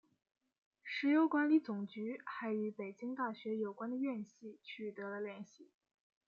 石油管理总局还与北京大学有关的院系取得了联系。